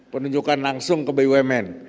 penunjukan langsung ke bumn